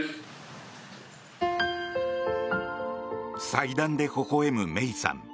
祭壇でほほ笑む芽生さん。